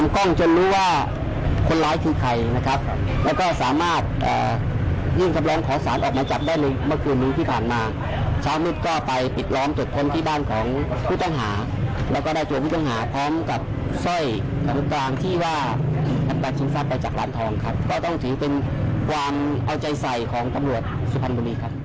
ความเอาใจใส่ของตำรวจสุพรรณบุรีครับ